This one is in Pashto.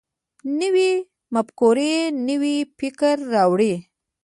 نوې مفکوره نوی فکر راوړي